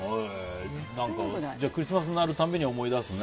何か、じゃあクリスマスになる度、思い出すね。